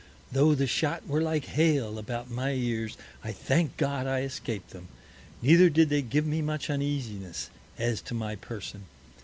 Tho' the Shot were like Hail about my Ears, I thank God I escaped them, neither did they give me much Uneasiness as to my Person.